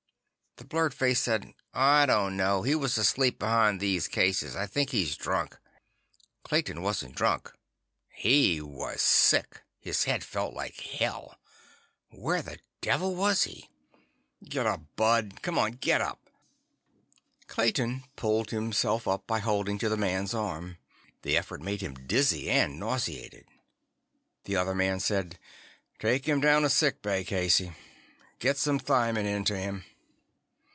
The blurred face said: "I don't know. He was asleep behind these cases. I think he's drunk." Clayton wasn't drunk—he was sick. His head felt like hell. Where the devil was he? "Get up, bud. Come on, get up!" Clayton pulled himself up by holding to the man's arm. The effort made him dizzy and nauseated. The other man said: "Take him down to sick bay, Casey. Get some thiamin into him."